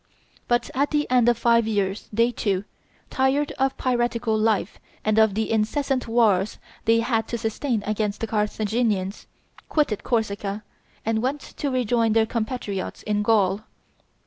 But at the end of five years they too, tired of piratical life and of the incessant wars they had to sustain against the Carthaginians, quitted Corsica, and went to rejoin their compatriots in Gaul.